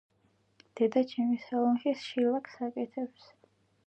დედაცჩემი სალონში შილაკს აკეთებს